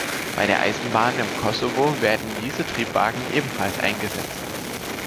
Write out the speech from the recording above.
Bei der Eisenbahn im Kosovo werden diese Triebwagen ebenfalls eingesetzt.